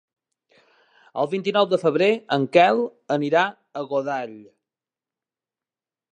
El vint-i-nou de febrer en Quel anirà a Godall.